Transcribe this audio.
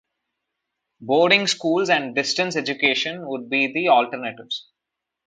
Boarding schools and distance education would be the alternatives.